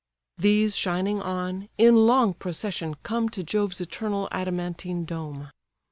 These shining on, in long procession come To Jove's eternal adamantine dome.